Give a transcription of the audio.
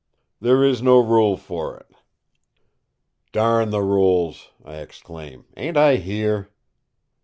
"There is no rule for it." "Darn the rules!" I exclaim. "Ain't I here?"